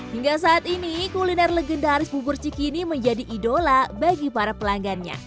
hingga saat ini kuliner legendaris bubur cikini menjadi idola bagi para pelanggannya